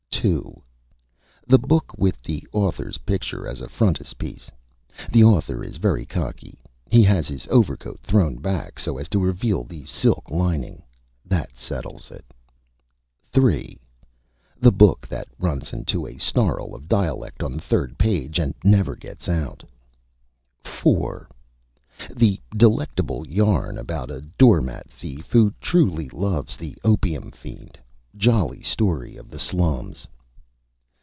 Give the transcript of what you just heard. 2. The book with the Author's Picture as a Frontispiece. The Author is very Cocky. He has his Overcoat thrown back, so as to reveal the Silk Lining. That Settles it! 3. The Book that runs into a Snarl of Dialect on the third Page and never gets out. 4. The delectable Yarn about a Door Mat Thief, who truly loves the Opium Fiend. Jolly Story of the Slums.